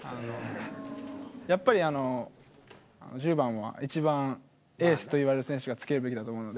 やっぱりあの１０番はいちばんエースといわれる選手が付けるべきだと思うので。